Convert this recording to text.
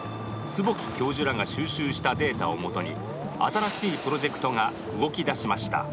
坪木教授らが収集したデータをもとに新しいプロジェクトが動き出しました